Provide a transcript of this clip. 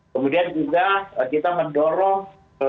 kemudian juga kita mendorong